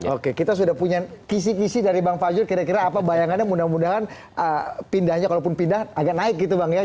oke kita sudah punya kisi kisi dari bang fajrul kira kira apa bayangannya mudah mudahan pindahnya kalaupun pindah agak naik gitu bang ya